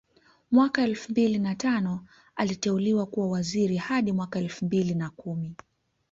Mwaka elfu mbili na tano aliteuliwa kuwa waziri hadi mwaka elfu mbili na kumi